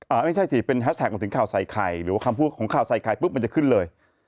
ไม่ใช่สิเป็นแฮสแท็กมาถึงข่าวใส่ไข่หรือว่าคำพูดของข่าวใส่ไข่ปุ๊บมันจะขึ้นเลย